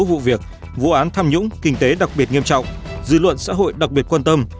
vụ việc vụ án tham nhũng kinh tế đặc biệt nghiêm trọng dư luận xã hội đặc biệt quan tâm